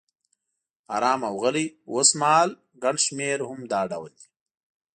آرام او غلی، اوسمهال ګڼ شمېر هم دا ډول دي.